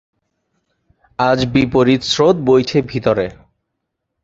আজ বিপরীত স্রোত বইছে ভেতরে ।